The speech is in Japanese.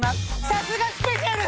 さすがスペシャル。